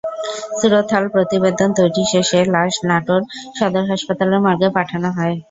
সুরতহাল প্রতিবেদন তৈরি শেষে লাশ নাটোর সদর হাসপাতালের মর্গে পাঠানো হয়।